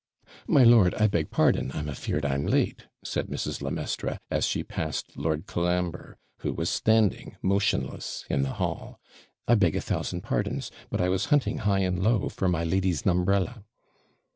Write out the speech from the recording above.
'My lord, I beg pardon! I'm AFEARD I'm late,' said Mrs. le Maistre, as she passed Lord Colambre, who was standing motionless in the hall. 'I beg a thousand pardons; but I was hunting high and low, for my lady's NUMBRELLA.'